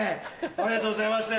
ありがとうございます！